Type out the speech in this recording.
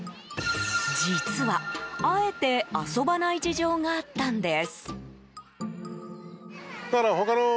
実は、あえて遊ばない事情があったんです。